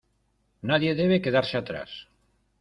Nadie debe quedarse atrás.